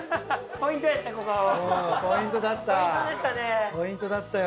ポイントだったよ